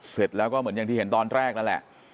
เสร็จแล้วก็เหมือนอย่างที่เห็นตอนแรกนั่นแหละ